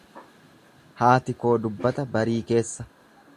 Haati koo dubbata barii keessa.